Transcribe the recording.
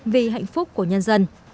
vì hạnh phúc của nhân dân